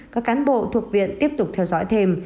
các cán bộ thuộc viện tiếp tục theo dõi thêm